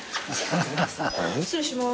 失礼します。